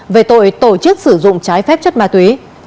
về tội tổ chức sử dụng trái phép chất ma túy